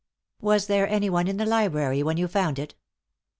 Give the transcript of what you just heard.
" Was there anyone in the library when you found it?"